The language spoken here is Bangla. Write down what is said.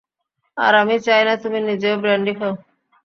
আর আমি চাই না তুমি নিজেও ব্র্যান্ডি খাও।